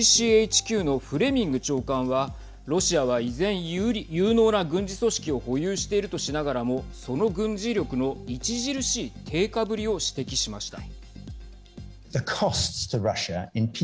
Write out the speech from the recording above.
ＧＣＨＱのフレミング長官はロシアは依然、有能な軍事組織を保有しているとしながらもその軍事力の著しい低下ぶりを指摘しました。